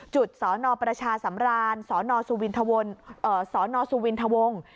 จุดสอนอประชาสำรานสอนอสูวินทะวง